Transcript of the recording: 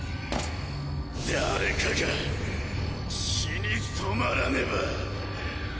誰かが血に染まらねば！